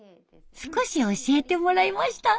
少し教えてもらいました。